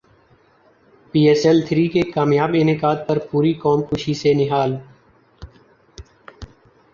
پی S L three کے کامیاب انعقاد پر پوری قوم خوشی سے نہال